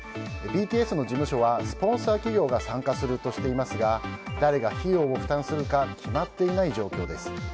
ＢＴＳの事務所はスポンサー企業が参加するとしていますが誰が費用を負担するか決まっていない状況です。